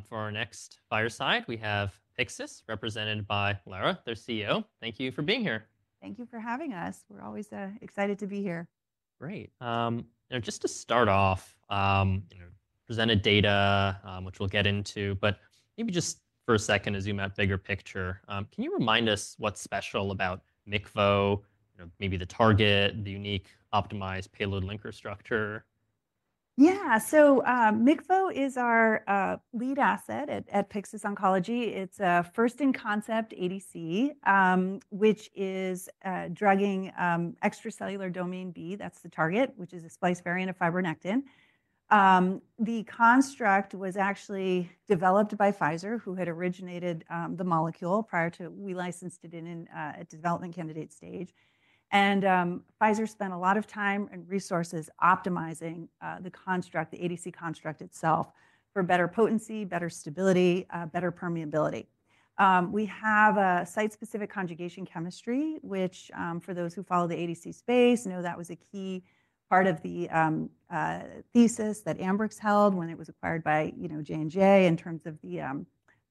For our next Fireside, we have Pyxis represented by Lara, their CEO. Thank you for being here. Thank you for having us. We're always excited to be here. Great. Just to start off, presented data, which we'll get into, but maybe just for a second, a zoom-out, bigger picture. Can you remind us what's special about MICVO, maybe the target, the unique, optimized, payload linker structure? Yeah. MICVO is our lead asset at Pyxis Oncology. It's a first-in-concept ADC, which is drugging extracellular domain B. That's the target, which is a spliced variant of fibronectin. The construct was actually developed by Pfizer, who had originated the molecule prior to when we licensed it in a development candidate stage. Pfizer spent a lot of time and resources optimizing the construct, the ADC construct itself, for better potency, better stability, better permeability. We have a site-specific conjugation chemistry, which, for those who follow the ADC space, know that was a key part of the thesis that Ambrx held when it was acquired by J&J in terms of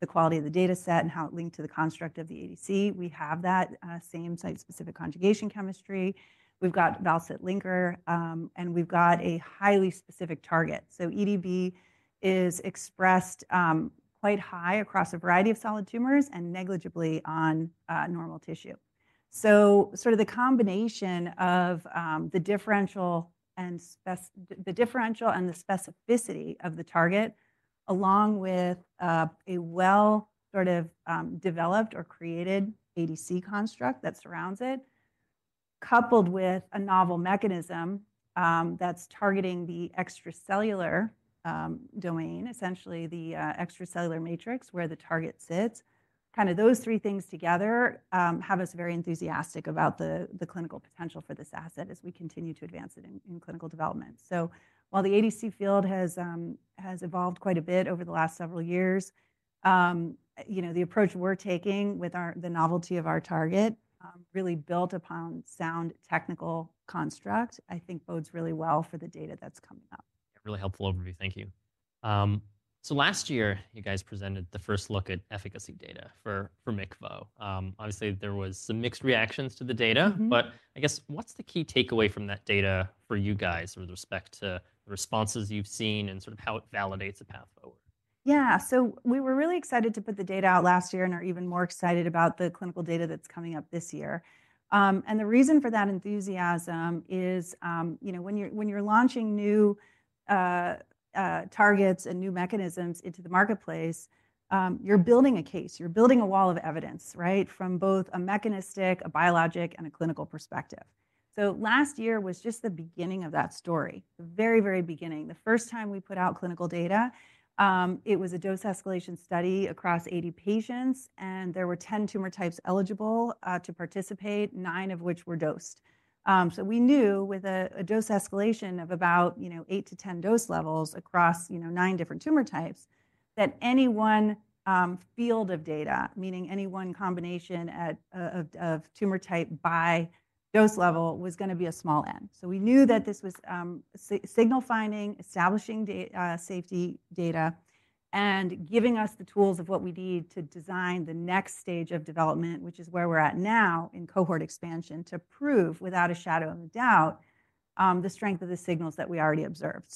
the quality of the data set and how it linked to the construct of the ADC. We have that same site-specific conjugation chemistry. We've got val-cit linker, and we've got a highly specific target. EDB is expressed quite high across a variety of solid tumors and negligibly on normal tissue. The combination of the differential and the specificity of the target, along with a well developed or created ADC construct that surrounds it, coupled with a novel mechanism that's targeting the extracellular domain, essentially the extracellular matrix where the target sits, kind of those three things together have us very enthusiastic about the clinical potential for this asset as we continue to advance it in clinical development. While the ADC field has evolved quite a bit over the last several years, the approach we're taking with the novelty of our target really built upon sound technical construct, I think bodes really well for the data that's coming up. Yeah, really helpful overview. Thank you. Last year, you guys presented the first look at efficacy data for MICVO. Obviously, there were some mixed reactions to the data, but I guess what's the key takeaway from that data for you guys with respect to the responses you've seen and sort of how it validates a path forward? Yeah. We were really excited to put the data out last year and are even more excited about the clinical data that's coming up this year. The reason for that enthusiasm is when you're launching new targets and new mechanisms into the marketplace, you're building a case. You're building a wall of evidence from both a mechanistic, a biologic, and a clinical perspective. Last year was just the beginning of that story, the very, very beginning. The first time we put out clinical data, it was a dose escalation study across 80 patients, and there were 10 tumor types eligible to participate, nine of which were dosed. We knew with a dose escalation of about 8 dose-10 dose levels across nine different tumor types that any one field of data, meaning any one combination of tumor type by dose level, was going to be a small N. We knew that this was signal finding, establishing safety data, and giving us the tools of what we need to design the next stage of development, which is where we're at now in cohort expansion to prove without a shadow of a doubt the strength of the signals that we already observed.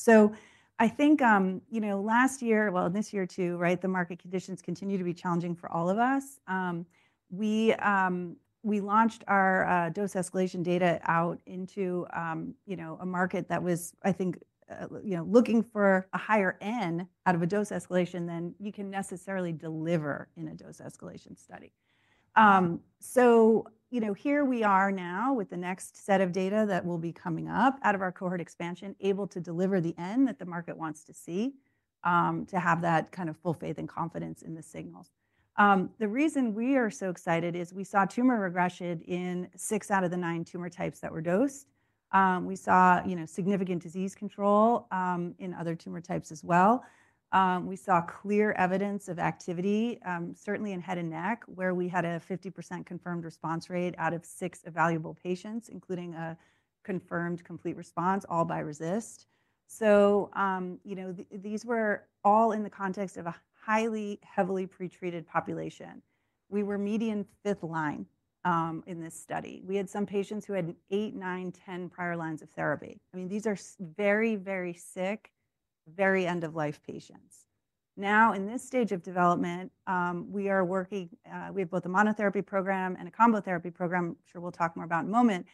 I think last year, well, this year too, the market conditions continue to be challenging for all of us. We launched our dose escalation data out into a market that was, I think, looking for a higher N out of a dose escalation than you can necessarily deliver in a dose escalation study. Here we are now with the next set of data that will be coming up out of our cohort expansion, able to deliver the N that the market wants to see, to have that kind of full faith and confidence in the signals. The reason we are so excited is we saw tumor regression in six out of the nine tumor types that were dosed. We saw significant disease control in other tumor types as well. We saw clear evidence of activity, certainly in head and neck, where we had a 50% confirmed response rate out of six evaluable patients, including a confirmed complete response all by RECIST. These were all in the context of a highly heavily pretreated population. We were median fifth line in this study. We had some patients who had 8, 9, 10 prior lines of therapy. I mean, these are very, very sick, very end-of-life patients. Now, in this stage of development, we are working, we have both a monotherapy program and a combo therapy program, which we'll talk more about in a moment.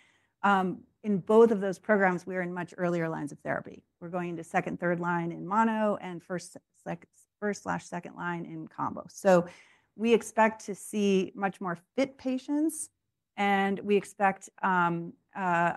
In both of those programs, we are in much earlier lines of therapy. We're going into second, third line in mono and first/second line in combo. We expect to see much more fit patients, and we expect a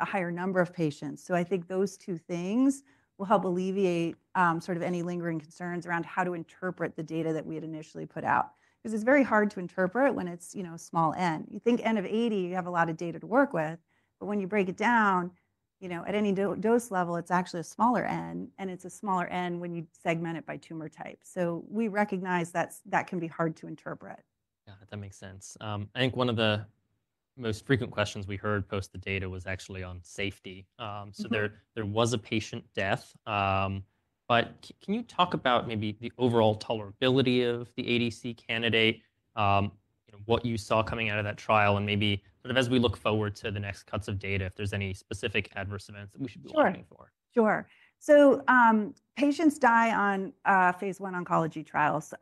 higher number of patients. I think those two things will help alleviate sort of any lingering concerns around how to interpret the data that we had initially put out. Because it's very hard to interpret when it's a small N. You think N of 80, you have a lot of data to work with, but when you break it down, at any dose level, it's actually a smaller N, and it's a smaller N when you segment it by tumor type. We recognize that can be hard to interpret. Yeah, that makes sense. I think one of the most frequent questions we heard post the data was actually on safety. There was a patient death, but can you talk about maybe the overall tolerability of the ADC candidate, what you saw coming out of that trial, and maybe sort of as we look forward to the next cuts of data, if there's any specific adverse events that we should be looking for? Sure. Patients die on phase I oncology trials,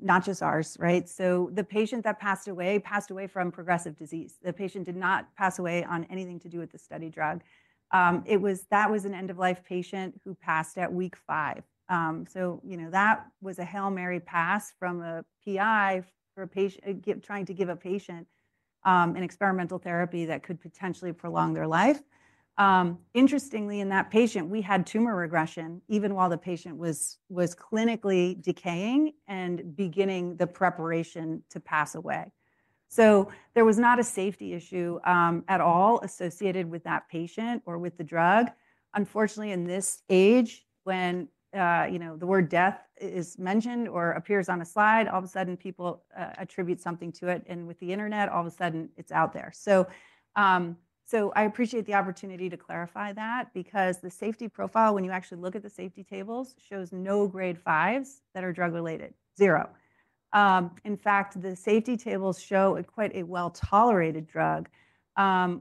not just ours. The patient that passed away passed away from progressive disease. The patient did not pass away on anything to do with the study drug. That was an end-of-life patient who passed at week five. That was a Hail Mary pass from a PI trying to give a patient an experimental therapy that could potentially prolong their life. Interestingly, in that patient, we had tumor regression even while the patient was clinically decaying and beginning the preparation to pass away. There was not a safety issue at all associated with that patient or with the drug. Unfortunately, in this age, when the word death is mentioned or appears on a slide, all of a sudden, people attribute something to it. With the internet, all of a sudden, it's out there. I appreciate the opportunity to clarify that because the safety profile, when you actually look at the safety tables, shows no grade fives that are drug-related, zero. In fact, the safety tables show quite a well-tolerated drug.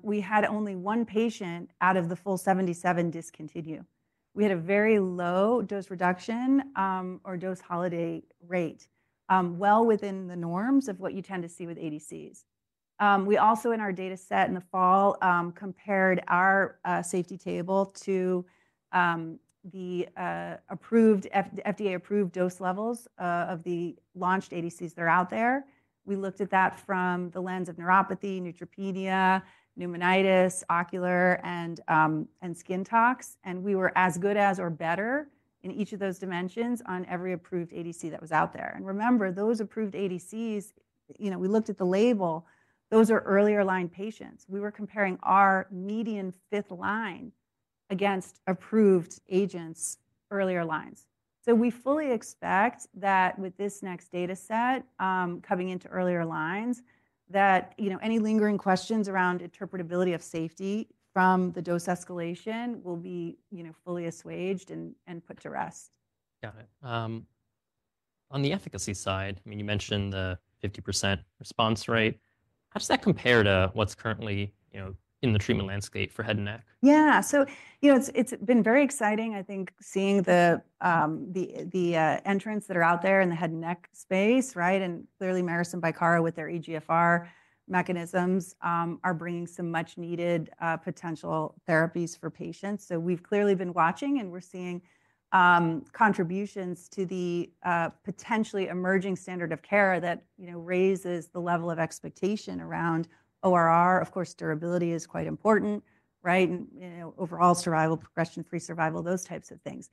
We had only one patient out of the full 77 discontinue. We had a very low dose reduction or dose holiday rate, well within the norms of what you tend to see with ADCs. We also, in our data set in the fall, compared our safety table to the FDA-approved dose levels of the launched ADCs that are out there. We looked at that from the lens of neuropathy, neutropenia, pneumonitis, ocular, and skin tox. We were as good as or better in each of those dimensions on every approved ADC that was out there. Remember, those approved ADCs, we looked at the label, those are earlier line patients. We were comparing our median fifth line against approved agents' earlier lines. We fully expect that with this next data set coming into earlier lines, that any lingering questions around interpretability of safety from the dose escalation will be fully assuaged and put to rest. Got it. On the efficacy side, I mean, you mentioned the 50% response rate. How does that compare to what's currently in the treatment landscape for head and neck? Yeah. It's been very exciting, I think, seeing the entrants that are out there in the head and neck space, and clearly, Merus and Bicara with their EGFR mechanisms are bringing some much-needed potential therapies for patients. We've clearly been watching, and we're seeing contributions to the potentially emerging standard of care that raises the level of expectation around ORR. Of course, durability is quite important, overall survival, progression-free survival, those types of things.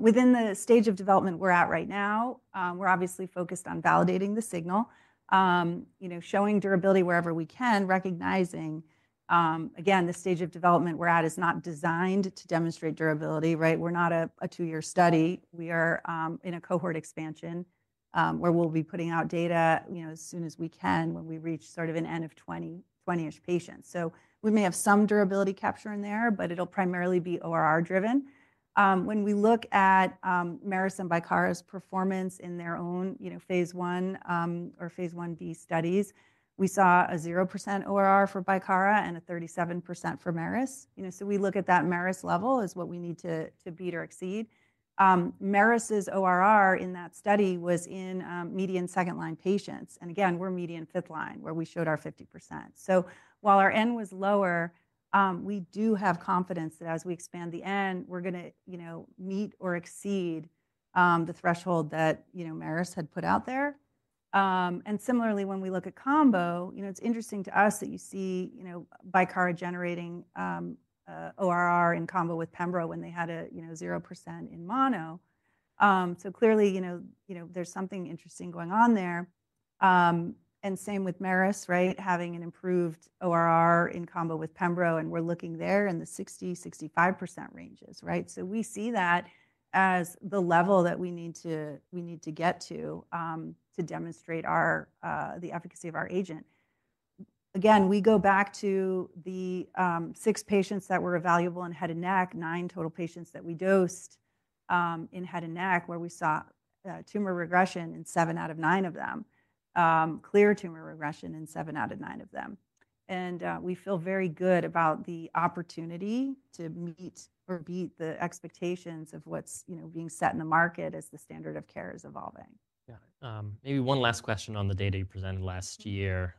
Within the stage of development we're at right now, we're obviously focused on validating the signal, showing durability wherever we can, recognizing, again, the stage of development we're at is not designed to demonstrate durability. We're not a two-year study. We are in a cohort expansion where we'll be putting out data as soon as we can when we reach sort of an N of 20-ish patients. We may have some durability capture in there, but it'll primarily be ORR-driven. When we look at Merus and Bicara's performance in their own phase I or phase I-B studies, we saw a 0% ORR for Bicara and a 37% for Merus. We look at that Merus level as what we need to beat or exceed. Merus' ORR in that study was in median second line patients. Again, we're median fifth line where we showed our 50%. While our N was lower, we do have confidence that as we expand the N, we're going to meet or exceed the threshold that Merus had put out there. Similarly, when we look at combo, it's interesting to us that you see Bicara generating ORR in combo with pembro when they had a 0% in mono. Clearly, there's something interesting going on there. Same with Merus, having an improved ORR in combo with pembro, and we're looking there in the 60%-65% ranges. We see that as the level that we need to get to to demonstrate the efficacy of our agent. Again, we go back to the six patients that were evaluable in head and neck, nine total patients that we dosed in head and neck where we saw tumor regression in seven out of nine of them, clear tumor regression in seven out of nine of them. We feel very good about the opportunity to meet or beat the expectations of what's being set in the market as the standard of care is evolving. Yeah. Maybe one last question on the data you presented last year.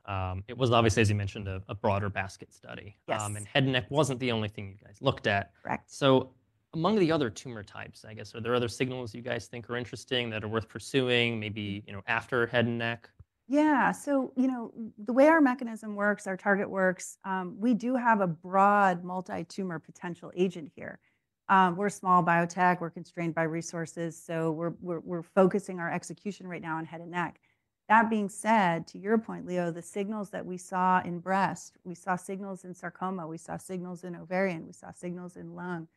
It was obviously, as you mentioned, a broader basket study. Head and neck was not the only thing you guys looked at. Correct. Among the other tumor types, I guess, are there other signals you guys think are interesting that are worth pursuing maybe after head and neck? Yeah. The way our mechanism works, our target works, we do have a broad multi-tumor potential agent here. We're a small biotech. We're constrained by resources. We're focusing our execution right now on head and neck. That being said, to your point, Leo, the signals that we saw in breast, we saw signals in sarcoma, we saw signals in ovarian, we saw signals in lung,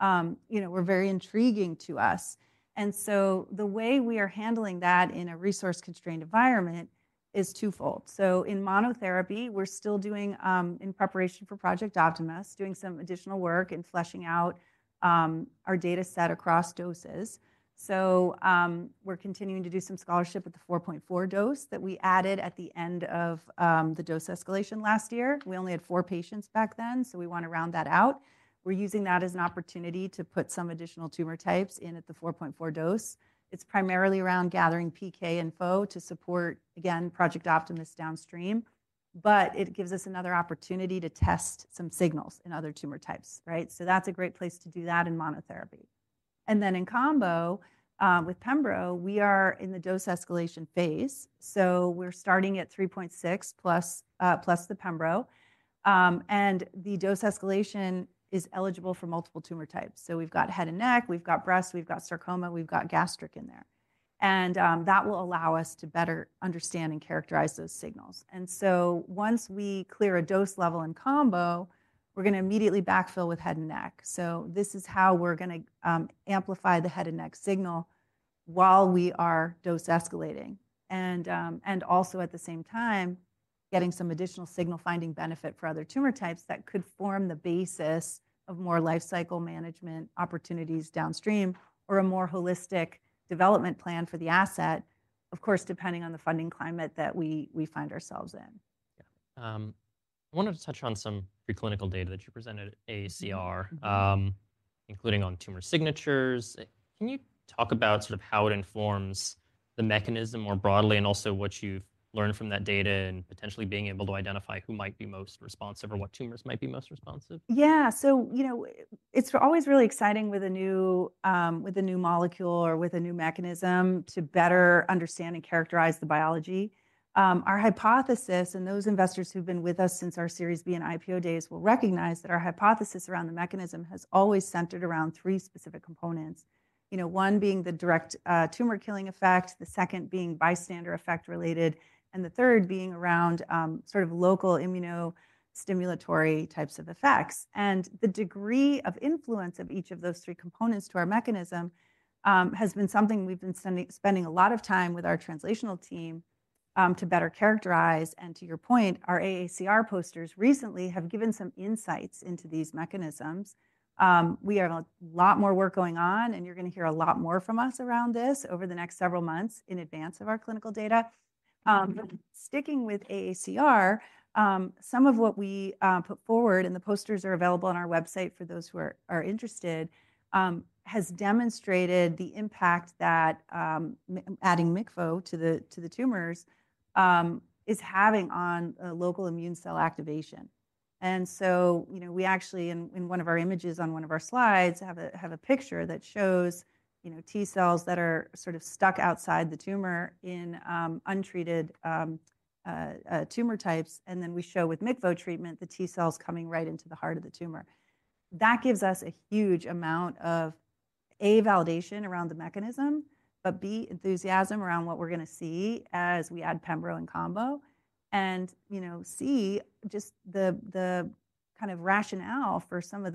were very intriguing to us. The way we are handling that in a resource-constrained environment is twofold. In monotherapy, we're still doing, in preparation for Project Optimus, some additional work and fleshing out our data set across doses. We're continuing to do some scholarship with the 4.4 dose that we added at the end of the dose escalation last year. We only had four patients back then, so we want to round that out. We're using that as an opportunity to put some additional tumor types in at the 4.4 dose. It's primarily around gathering PK and FO to support, again, Project Optimus downstream, but it gives us another opportunity to test some signals in other tumor types. That's a great place to do that in monotherapy. In combo with pembro, we are in the dose escalation phase. We're starting at 3.6+ the pembro. The dose escalation is eligible for multiple tumor types. We've got head and neck, we've got breast, we've got sarcoma, we've got gastric in there. That will allow us to better understand and characterize those signals. Once we clear a dose level in combo, we're going to immediately backfill with head and neck. This is how we're going to amplify the head and neck signal while we are dose escalating. Also at the same time, getting some additional signal-finding benefit for other tumor types that could form the basis of more lifecycle management opportunities downstream or a more holistic development plan for the asset, of course, depending on the funding climate that we find ourselves in. Yeah. I wanted to touch on some preclinical data that you presented at AACR, including on tumor signatures. Can you talk about sort of how it informs the mechanism more broadly and also what you've learned from that data and potentially being able to identify who might be most responsive or what tumors might be most responsive? Yeah. It is always really exciting with a new molecule or with a new mechanism to better understand and characterize the biology. Our hypothesis, and those investors who have been with us since our Series B and IPO days will recognize that our hypothesis around the mechanism has always centered around three specific components, one being the direct tumor-killing effect, the second being bystander effect related, and the third being around sort of local immunostimulatory types of effects. The degree of influence of each of those three components to our mechanism has been something we have been spending a lot of time with our translational team to better characterize. To your point, our AACR posters recently have given some insights into these mechanisms. We have a lot more work going on, and you're going to hear a lot more from us around this over the next several months in advance of our clinical data. Sticking with AACR, some of what we put forward, and the posters are available on our website for those who are interested, has demonstrated the impact that adding MICVO to the tumors is having on local immune cell activation. In one of our images on one of our slides, we actually have a picture that shows T cells that are sort of stuck outside the tumor in untreated tumor types. We show with MICVO treatment, the T cells coming right into the heart of the tumor. That gives us a huge amount of, A, validation around the mechanism, but, B, enthusiasm around what we're going to see as we add pembro and combo, and, C, just the kind of rationale for some of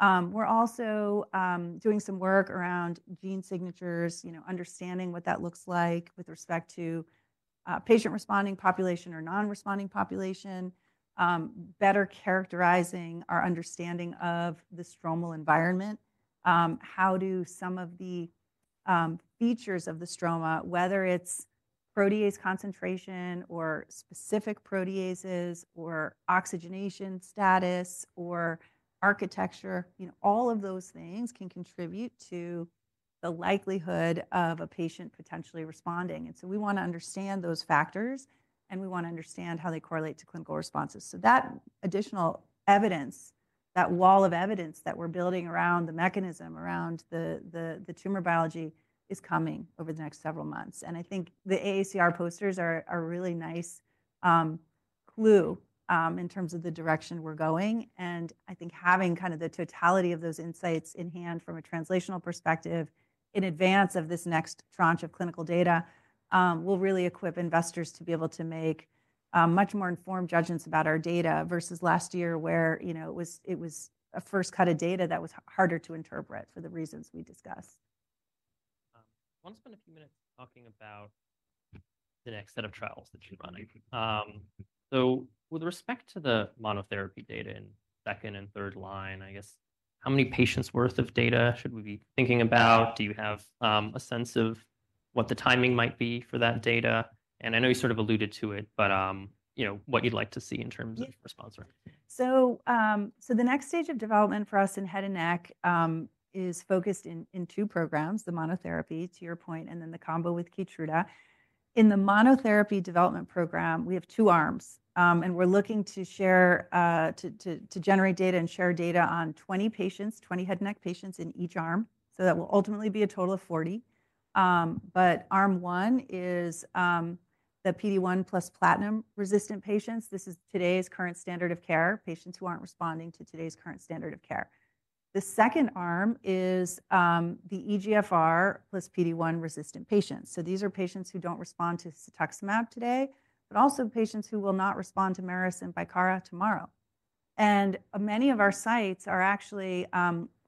the responses we've been seeing in monotherapy. We are also doing some work around gene signatures, understanding what that looks like with respect to patient-responding population or non-responding population, better characterizing our understanding of the stromal environment, how do some of the features of the stroma, whether it's protease concentration or specific proteases or oxygenation status or architecture, all of those things can contribute to the likelihood of a patient potentially responding. We want to understand those factors, and we want to understand how they correlate to clinical responses. That additional evidence, that wall of evidence that we're building around the mechanism, around the tumor biology is coming over the next several months. I think the AACR posters are a really nice clue in terms of the direction we're going. I think having kind of the totality of those insights in hand from a translational perspective in advance of this next tranche of clinical data will really equip investors to be able to make much more informed judgments about our data versus last year where it was a first cut of data that was harder to interpret for the reasons we discussed. I want to spend a few minutes talking about the next set of trials that you're running. With respect to the monotherapy data in second and third line, I guess, how many patients' worth of data should we be thinking about? Do you have a sense of what the timing might be for that data? I know you sort of alluded to it, but what you'd like to see in terms of response rate? The next stage of development for us in head and neck is focused in two programs, the monotherapy, to your point, and then the combo with Keytruda. In the monotherapy development program, we have two arms. We're looking to generate data and share data on 20 patients, 20 head and neck patients in each arm. That will ultimately be a total of 40. Arm one is the PD-1 plus platinum resistant patients. This is today's current standard of care, patients who aren't responding to today's current standard of care. The second arm is the EGFR plus PD-1 resistant patients. These are patients who don't respond to cetuximab today, but also patients who will not respond to Merus and Bicara tomorrow. Many of our sites are actually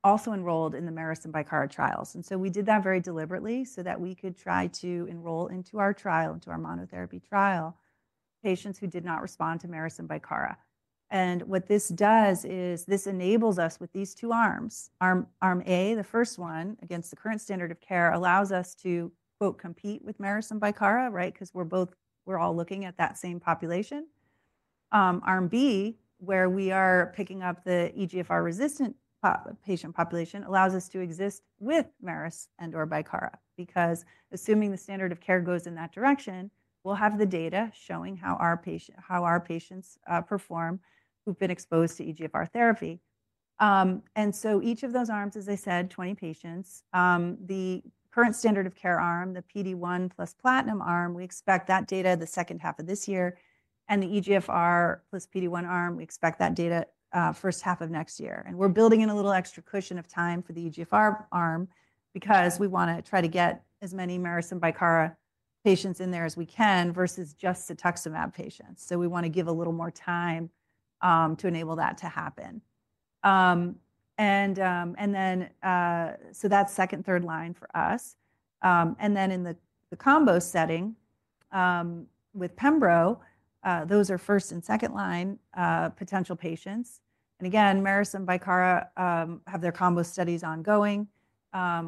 also enrolled in the Merus and Bicara trials. We did that very deliberately so that we could try to enroll into our trial, into our monotherapy trial, patients who did not respond to Merus and Bicara. What this does is this enables us with these two arms. Arm A, the first one, against the current standard of care, allows us to, quote, compete with Merus and Bicara, right, because we're all looking at that same population. Arm B, where we are picking up the EGFR-resistant patient population, allows us to exist with Merus and/or Bicara because assuming the standard of care goes in that direction, we'll have the data showing how our patients perform who've been exposed to EGFR therapy. Each of those arms, as I said, 20 patients, the current standard of care arm, the PD-1 plus platinum arm, we expect that data the second half of this year. The EGFR plus PD-1 arm, we expect that data first half of next year. We are building in a little extra cushion of time for the EGFR arm because we want to try to get as many Merus and Bicara patients in there as we can versus just cetuximab patients. We want to give a little more time to enable that to happen. That is second, third line for us. In the combo setting with pembro, those are first and second line potential patients. Again, Merus and Bicara have their combo studies ongoing.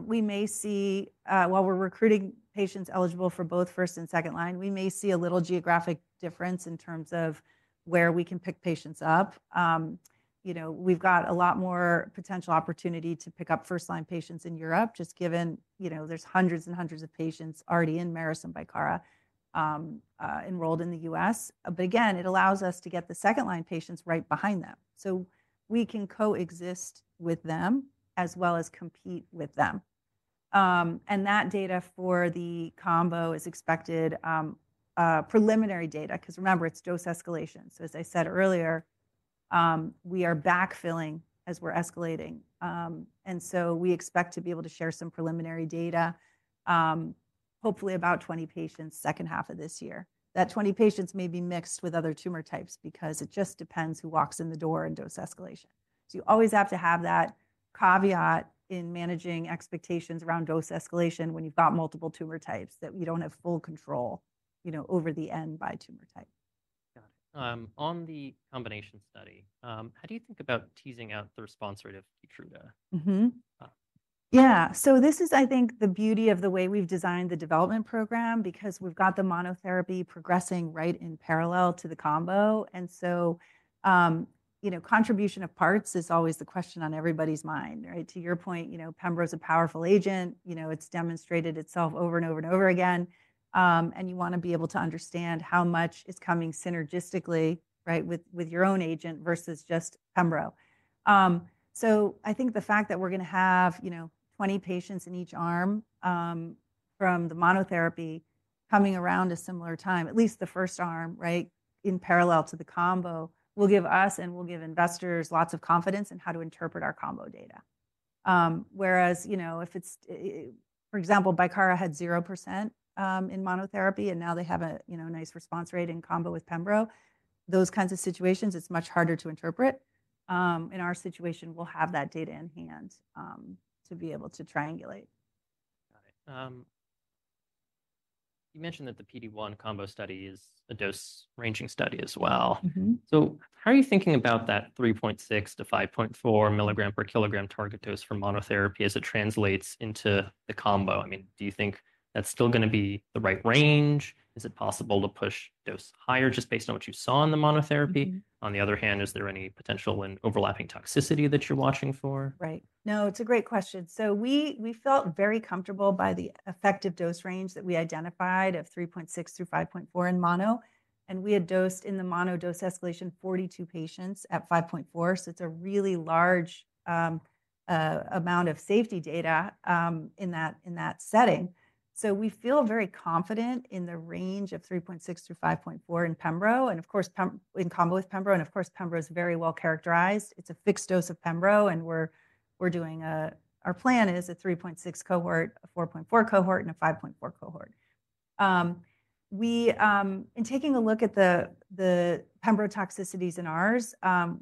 We may see, while we are recruiting patients eligible for both first and second line, we may see a little geographic difference in terms of where we can pick patients up. We've got a lot more potential opportunity to pick up first line patients in Europe just given there's hundreds and hundreds of patients already in Merus and Bicara enrolled in the U.S. It allows us to get the second line patients right behind them so we can coexist with them as well as compete with them. That data for the combo is expected preliminary data because remember, it's dose escalation. As I said earlier, we are backfilling as we're escalating. We expect to be able to share some preliminary data, hopefully about 20 patients second half of this year. That 20 patients may be mixed with other tumor types because it just depends who walks in the door and dose escalation. You always have to have that caveat in managing expectations around dose escalation when you've got multiple tumor types that you don't have full control over the end by tumor type. Got it. On the combination study, how do you think about teasing out the response rate of Keytruda? Yeah. This is, I think, the beauty of the way we've designed the development program because we've got the monotherapy progressing right in parallel to the combo. Contribution of parts is always the question on everybody's mind, right? To your point, pembro is a powerful agent. It's demonstrated itself over and over and over again. You want to be able to understand how much is coming synergistically with your own agent versus just pembro. I think the fact that we're going to have 20 patients in each arm from the monotherapy coming around a similar time, at least the first arm, right, in parallel to the combo, will give us and will give investors lots of confidence in how to interpret our combo data. Whereas if it's, for example, Bicara had 0% in monotherapy and now they have a nice response rate in combo with pembro, those kinds of situations, it's much harder to interpret. In our situation, we'll have that data in hand to be able to triangulate. Got it. You mentioned that the PD-1 combo study is a dose-ranging study as well. How are you thinking about that 3.6 mg-5.4 mg per kilogram target dose for monotherapy as it translates into the combo? I mean, do you think that's still going to be the right range? Is it possible to push dose higher just based on what you saw in the monotherapy? On the other hand, is there any potential in overlapping toxicity that you're watching for? Right. No, it's a great question. We felt very comfortable by the effective dose range that we identified of 3.6 mg-5.4 mg in mono. We had dosed in the mono dose escalation 42 patients at 5.4 mg. It's a really large amount of safety data in that setting. We feel very confident in the range of 3.6 mg-5.4 mg in pembro and, of course, in combo with pembro. Pembro is very well characterized. It's a fixed dose of pembro. Our plan is a 3.6 mg cohort, a 4.4 mg cohort, and a 5.4 mg cohort. In taking a look at the pembro toxicities in ours,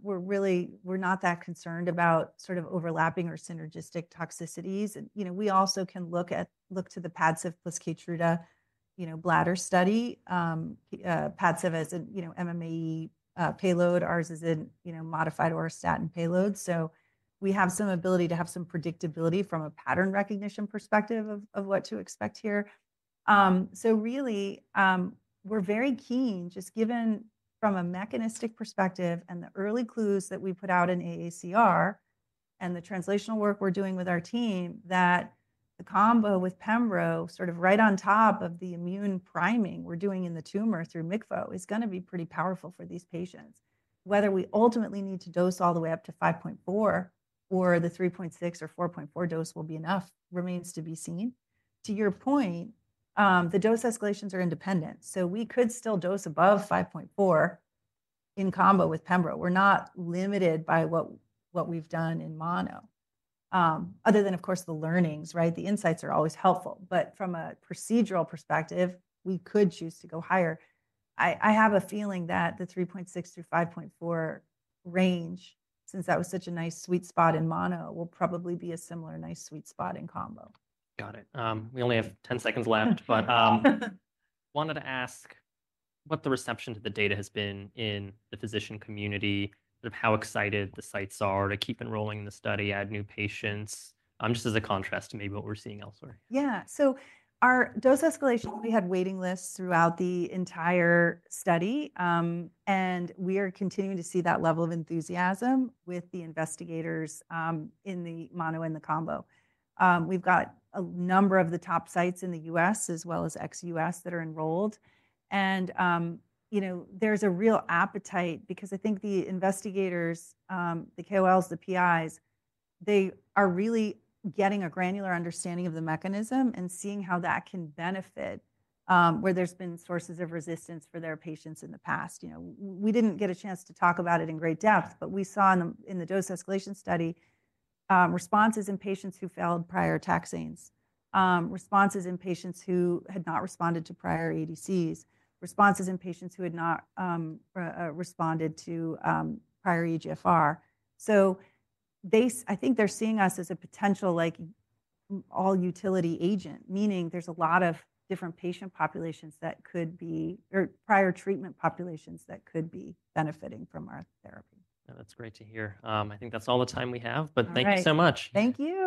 we're not that concerned about sort of overlapping or synergistic toxicities. We also can look to the Padcev plus Keytruda bladder study. Padcev is an MMAE payload. Ours is a modified orostat and payload. We have some ability to have some predictability from a pattern recognition perspective of what to expect here. We are very keen just given from a mechanistic perspective and the early clues that we put out in AACR and the translational work we are doing with our team that the combo with pembro sort of right on top of the immune priming we are doing in the tumor through MICVO is going to be pretty powerful for these patients. Whether we ultimately need to dose all the way up to 5.4 mg or the 3.6 mg or 4.4 mg dose will be enough remains to be seen. To your point, the dose escalations are independent. We could still dose above 5.4 mg in combo with pembro. We are not limited by what we have done in mono other than, of course, the learnings, right? The insights are always helpful. From a procedural perspective, we could choose to go higher. I have a feeling that the 3.6 mg-5.4 mg range, since that was such a nice sweet spot in mono, will probably be a similar nice sweet spot in combo. Got it. We only have 10 seconds left, but wanted to ask what the reception to the data has been in the physician community, sort of how excited the sites are to keep enrolling in the study, add new patients, just as a contrast to maybe what we're seeing elsewhere. Yeah. Our dose escalation, we had waiting lists throughout the entire study. We are continuing to see that level of enthusiasm with the investigators in the mono and the combo. We've got a number of the top sites in the U.S. as well as ex-U.S. that are enrolled. There's a real appetite because I think the investigators, the KOLs, the PIs, they are really getting a granular understanding of the mechanism and seeing how that can benefit where there's been sources of resistance for their patients in the past. We didn't get a chance to talk about it in great depth, but we saw in the dose escalation study responses in patients who failed prior taxanes, responses in patients who had not responded to prior ADCs, responses in patients who had not responded to prior EGFR. I think they're seeing us as a potential all-utility agent, meaning there's a lot of different patient populations that could be or prior treatment populations that could be benefiting from our therapy. That's great to hear. I think that's all the time we have, but thank you so much. Thank you.